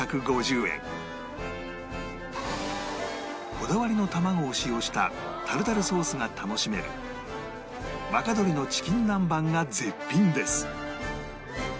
こだわりの卵を使用したタルタルソースが楽しめる若鶏のチキン南蛮が絶品です